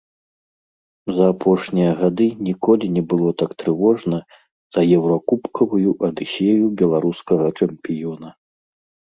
За апошнія гады ніколі не было так трывожна за еўракубкавую адысею беларускага чэмпіёна.